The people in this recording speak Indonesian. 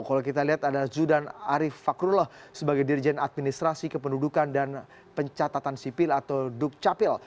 kalau kita lihat ada zudan arief fakrullah sebagai dirjen administrasi kependudukan dan pencatatan sipil atau dukcapil